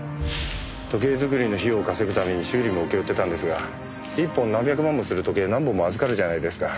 時計作りの費用を稼ぐために修理も請け負ってたんですが１本何百万もする時計何本も預かるじゃないですか。